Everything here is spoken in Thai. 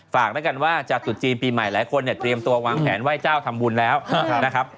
ฝากแล้วกันว่าจากจุดจีนปีใหม่หลายคนเนี่ยเตรียมตัววางแผนไหว้เจ้าทำบุญแล้วนะครับ